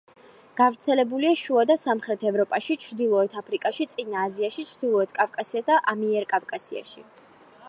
გავრცელებულია შუა და სამხრეთ ევროპაში, ჩრდილოეთ აფრიკაში, წინა აზიაში, ჩრდილოეთ კავკასიასა და ამიერკავკასიაში.